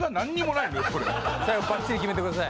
最後バッチリ決めてください。